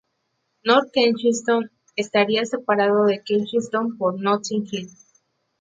North Kensington estaría separado de Kensington por Notting Hill.